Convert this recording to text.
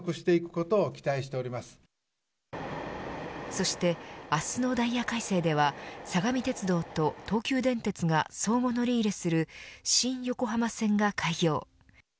そして、明日のダイヤ改正では相模鉄道と東急電鉄が相互乗り入れする新横浜線が開業。